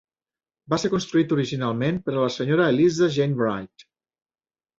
Va ser construït originalment per a la Sra. Eliza Jane Wright.